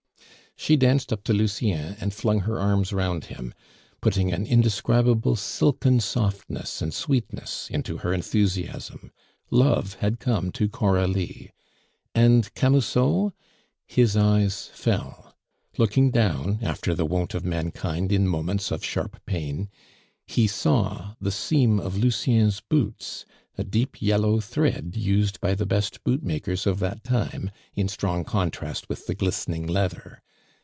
She danced up to Lucien and flung her arms round him, putting an indescribable silken softness and sweetness into her enthusiasm. Love had come to Coralie. And Camusot? his eyes fell. Looking down after the wont of mankind in moments of sharp pain, he saw the seam of Lucien's boots, a deep yellow thread used by the best bootmakers of that time, in strong contrast with the glistening leather.